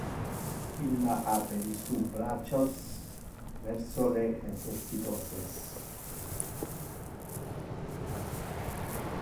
Illa aperi su bracios verso le necessitose.